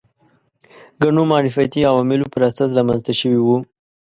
ګڼو معرفتي عواملو پر اساس رامنځته شوي وو